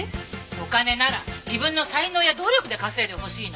お金なら自分の才能や努力で稼いでほしいの。